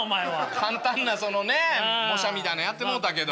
簡単なそのね模写みたいなのやってもうたけど。